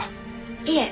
いえ。